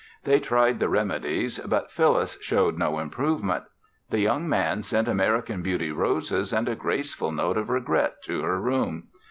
They tried the remedies, but Phyllis showed no improvement. The young man sent American Beauty roses and a graceful note of regret to her room.